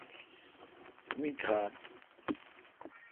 می تھال